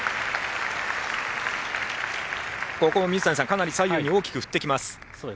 ここも水谷さん左右に大きく振ってきます。